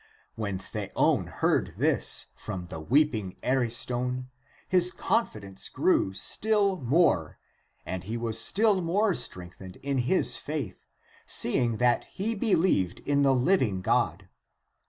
When Theon heard this from the weeping Ariston, his confidence grew still more, and he was still more strengthened in his faith, seeing that he believed in the living God.